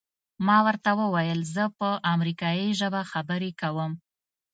ما ورته وویل زه په امریکایي ژبه خبرې کوم.